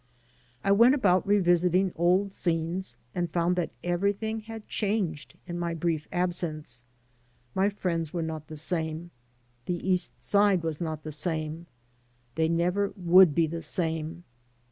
I went about revisiting old scenes and found that everything had changed in my brief absence. My friends were not the same; the East Side was not the same. They never woidd be the same.